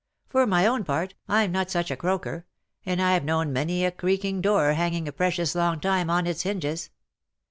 For my own part, Fm not such a croaker, and Fve known many a creaking door hanging a precious long time on its hinges.